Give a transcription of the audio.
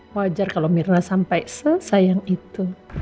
wajar kalau mirna sampai sesayang itu